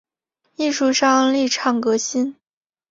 艺术上力倡革新